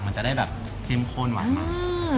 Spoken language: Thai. มันจะได้แบบเครื่องข้นหวานมาก